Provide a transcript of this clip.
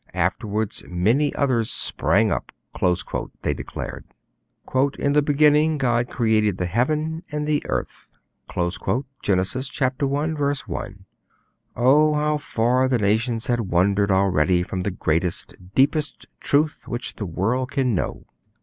'Afterwards many others sprang up,' they declared. 'In the beginning God created the Heaven and the earth.' (Genesis i. 1.) Oh, how far the nations had wandered already from the greatest, deepest truth which the world can know!